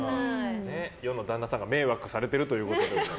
世の旦那さんが迷惑されているということで。